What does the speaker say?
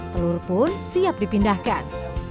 telur pun siap dipindahkan